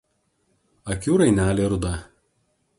Akių rainelė ruda.